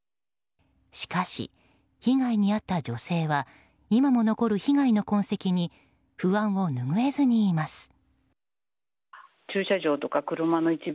しかし被害に遭った女性は今も残る被害の痕跡に不安を拭えずにいます。